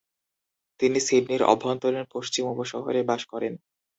তিনি সিডনির অভ্যন্তরীণ পশ্চিম উপশহরে বাস করেন।